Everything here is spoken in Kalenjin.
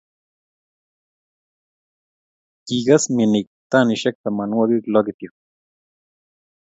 Kikes minik tanisiek tamanwogik lo kityo